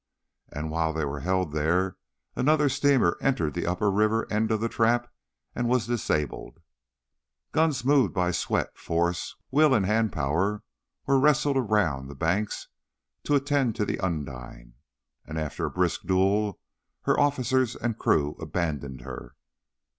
And while they were held there, another steamer entered the upper end of the trap and was disabled. Guns moved by sweat, force, will and hand power, were wrestled around the banks to attend to the Undine. And after a brisk duel her officers and crew abandoned her.